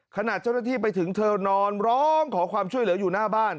ขณะเจ้าหน้าที่ไปถึงเธอนอนร้องขอความช่วยเหลืออยู่หน้าบ้าน